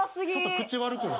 口悪くない？